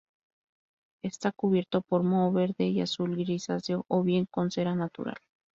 Está cubierto por moho verde y azul grisáceo, o bien con cera natural.